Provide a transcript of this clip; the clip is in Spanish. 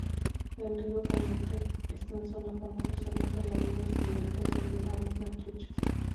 El río Cañete en esta zona forma unas hermosas lagunas esmeraldas donde abundan truchas.